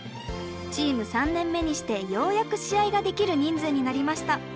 チーム３年目にしてようやく試合ができる人数になりました。